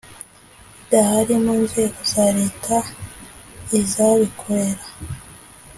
Bidahari mu nzego za leta iz abikorera